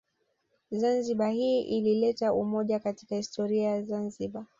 Zanzibar hii ilileta umoja katika historia ya zanzibar